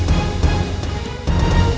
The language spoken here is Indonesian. saya mau ke rumah